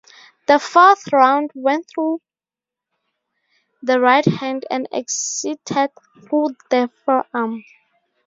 The fourth round went though the right hand and exited through the forearm.